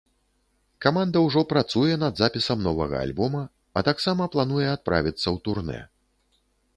Каманда ўжо працуе над запісам новага альбома, а таксама плануе адправіцца ў турнэ.